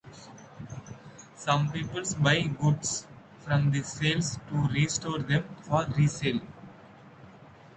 Some people buy goods from these sales to restore them for resale.